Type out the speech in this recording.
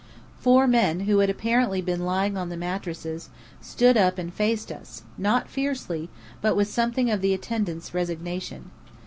Four men, who had apparently been lying on the mattresses, stood up and faced us, not fiercely, but with something of the attendant's resignation.